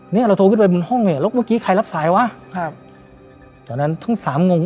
เนี้ยเราโทรขึ้นไปบนห้องเนี่ยแล้วเมื่อกี้ใครรับสายวะครับจากนั้นทั้งสามงง